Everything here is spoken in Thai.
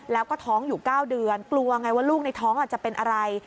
แล้วก็ท้องอยู่๙เดือนกลัวไงว่าลูกในท้องจะเป็นอะไร